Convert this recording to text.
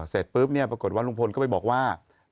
เสร็จปุ๊บเนี่ยปรากฏว่าลุงพลก็ไปบอกว่า